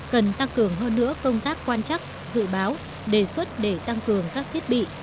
cần tăng cường hơn nữa công tác quan chắc dự báo đề xuất để tăng cường các thiết bị